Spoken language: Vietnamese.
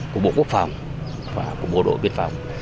của bộ quốc phòng và của bộ đội biên phòng